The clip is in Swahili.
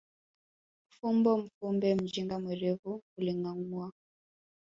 Fumbo mfumbe mjinga mwerevu huligangua